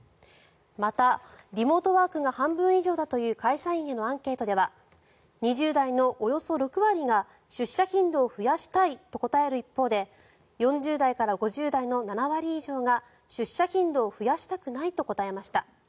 また、リモートワークが半分以上だという会社員へのアンケートでは２０代のおよそ６割が出社頻度を増やしたいと答える一方で４０代から５０代の７割以上が出社頻度を増やしたくないと答えました。